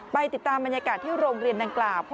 ไปติดตามบรรยากาศที่โรงเรียนดังกล่าว